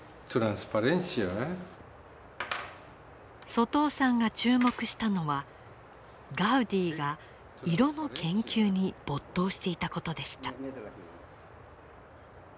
外尾さんが注目したのはガウディが色の研究に没頭していたことでした。